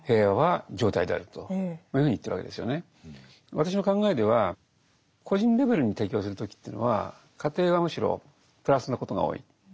私の考えでは個人レベルに提供する時というのは過程はむしろプラスなことが多いと思います。